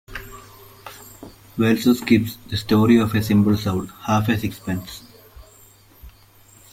Wells's "Kipps: The Story of a Simple Soul", "Half a Sixpence".